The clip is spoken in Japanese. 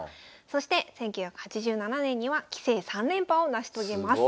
そして１９８７年には棋聖３連覇を成し遂げます。